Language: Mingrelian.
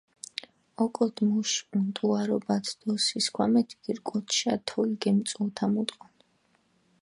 ოკოდჷ მუშ უნტუარობათ დო სისქვამათ ირკოჩშა თოლი გამწუჸოთამუდუკონ.